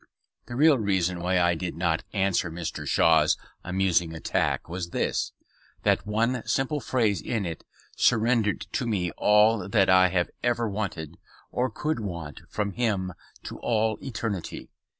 The real reason why I did not answer Mr. Shaw's amusing attack was this: that one simple phrase in it surrendered to me all that I have ever wanted, or could want from him to all eternity.